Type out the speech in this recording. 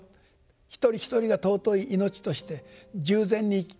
一人一人が尊い命として十全に生きなさい。